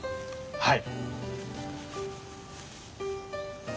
はい。